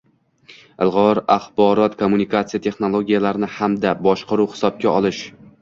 ilg‘or axborot-kommunikatsiya texnologiyalarini hamda boshqaruv, hisobga olish